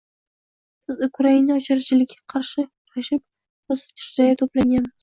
Biz Ukrainada ocharchilikka qarshi kurashib, rosa tajriba to‘plaganmiz.